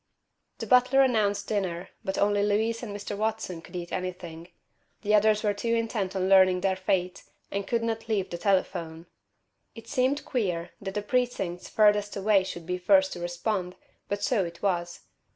The butler announced dinner, but only Louise and Mr. Watson could eat anything. The others were too intent on learning their fate and could not leave the telephone. It seemed queer that the precincts furthest away should be first to respond, but so it was.